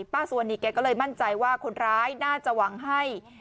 สุวรรณีแกก็เลยมั่นใจว่าคนร้ายน่าจะหวังให้